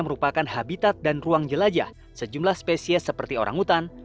merupakan habitat dan ruang jelajah sejumlah spesies seperti orang hutan